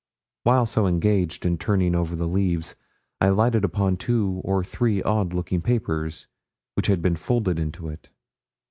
While so engaged in turning over the leaves, I lighted upon two or three odd looking papers, which had been folded into it.